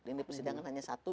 yang di persidangan hanya satu